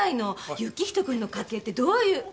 行人君の家系ってどういう。